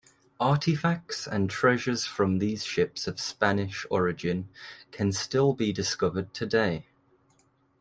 Artifacts and treasures from these ships of Spanish origin can still be discovered today.